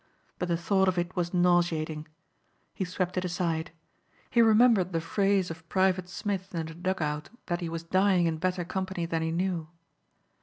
But the thought of it was nauseating. He swept it aside. He remembered the phrase of Private Smith in the dug out that he was dying in better company than he knew.